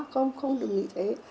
không đừng nghĩ thế